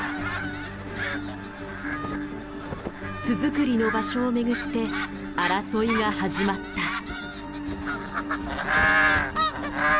巣作りの場所を巡って争いが始まった。